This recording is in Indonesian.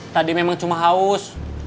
tadi memang cuma haus